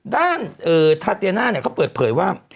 ด้านทาเตียน่าเนี่ยเขาเปิดเผยว่า